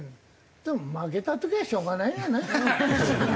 でも負けた時はしょうがないよね。